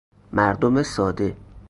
مردم ساده